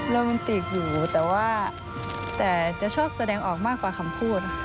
โรแมนติกอยู่แต่ว่าแต่จะชอบแสดงออกมากว่าคำพูด